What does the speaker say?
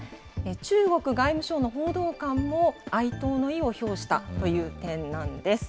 中国外務省の報道官も、哀悼の意を表したという点なんです。